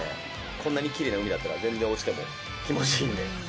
こんなにきれいな海だったら、全然、落ちても気持ちいいので。